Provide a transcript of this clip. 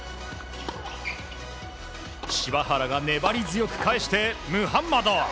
柴原が粘り強く返してムハンマド。